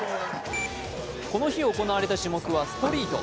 この日行われた種目はストリート。